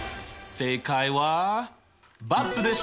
正解は×でした！